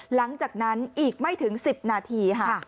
หลังจากนั้นอีกไม่ถึง๑๐นาทีค่ะ